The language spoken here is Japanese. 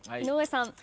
井上さん。